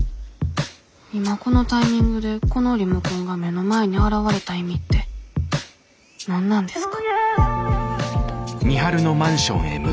今このタイミングでこのリモコンが目の前に現れた意味って何なんですか？